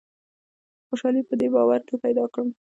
خوشالي په دې باور کې پیدا کړم.